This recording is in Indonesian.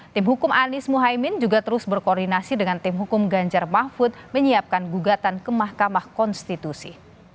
tim hukum anies mohaimin juga terus berkoordinasi dengan tim hukum ganjar mahfud menyiapkan gugatan ke mahkamah konstitusi